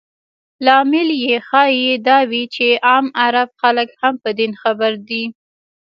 لامل یې ښایي دا وي چې عام عرب خلک هم په دین خبر دي.